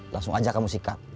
langsung aja kamu sikat